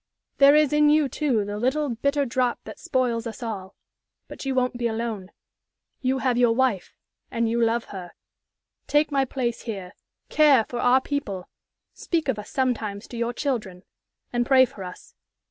There is in you, too, the little, bitter drop that spoils us all; but you won't be alone. You have your wife, and you love her. Take my place here, care for our people, speak of us sometimes to your children, and pray for us.